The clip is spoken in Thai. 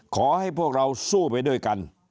ขอให้พวกเราสู้ไปด้วยกัน